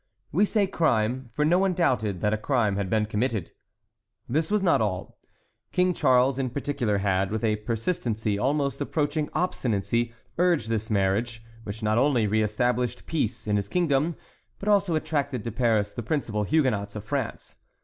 We say crime, for no one doubted that a crime had been committed. This was not all. King Charles in particular had, with a persistency almost approaching obstinacy, urged this marriage, which not only reëstablished peace in his kingdom, but also attracted to Paris the principal Huguenots of France.